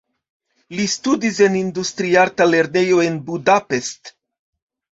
Li studis en industriarta lernejo en Budapest.